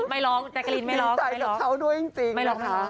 ไม่ร้องแจกรินไม่ร้องไม่ร้องไม่ร้องค่ะ